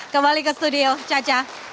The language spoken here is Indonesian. kembali ke studio caca